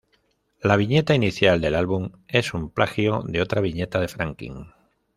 La viñeta inicial del álbum es un plagio de otra viñeta de Franquin.